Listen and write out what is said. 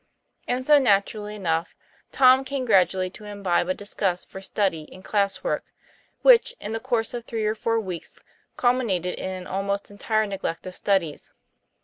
And so, naturally enough, Tom came gradually to imbibe a disgust for study and class work, which in the course of three or four weeks culminated in an almost entire neglect of studies.